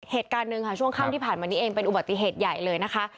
เหตุการณ์หนึ่งค่ะช่วงค่ำที่ผ่านมานี้เองเป็นอุบัติเหตุใหญ่เลยนะคะ